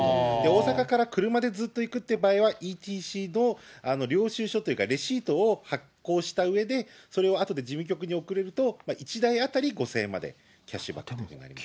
大阪から車でずっと行くっていう場合は、ＥＴＣの領収書っていうか、レシートを発行したうえで、それをあとで事務局に送れると、１台当たり５０００円までキャッシュバック。